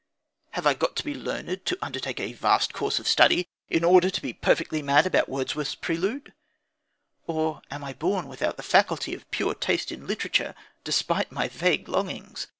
Have I got to be learned, to undertake a vast course of study, in order to be perfectly mad about Wordsworth's Prelude? Or am I born without the faculty of pure taste in literature, despite my vague longings?